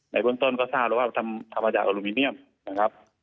ในบนต้นก็ทราบว่าทำมาจากอลูมิเนียมนะครับ